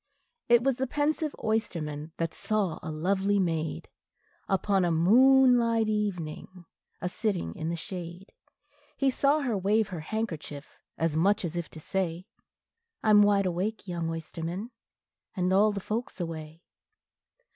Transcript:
It was the pensive oysterman that saw a lovely maid, Upon a moonlight evening, a sitting in the shade; He saw her wave her handkerchief, as much as if to say, "I 'm wide awake, young oysterman, and all the folks away."